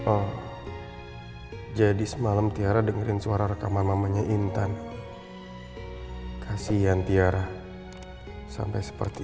oh jadi semalam tiara dengerin suara rekaman mamanya intan kasihan tiara sampai seperti